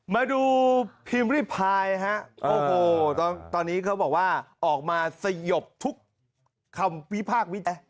มาดูพิมพ์ริพายฮะโอ้โหตอนนี้เขาบอกว่าออกมาสยบทุกคำวิพากษ์วิจารณ์